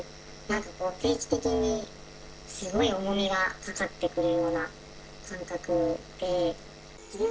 なんかこう、定期的にすごい重みがかかってくるような感覚で。